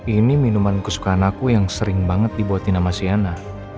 ini minuman kesukaan aku yang sering banget dibuatin sama siana